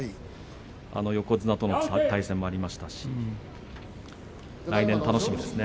横綱との対戦もありましたし来年が楽しみですね。